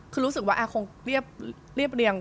คือรู้สึกว่าคงเรียบเรียง